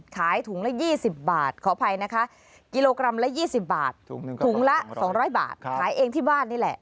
ขายถุงละ๒๐บาทขออภัยนะคะกิโลกรัมละ๒๐บาทถุงละ๒๐๐บาทขายเองที่บ้านนี่แหละ